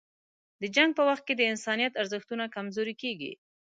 د جنګ په وخت کې د انسانیت ارزښتونه کمزوري کېږي.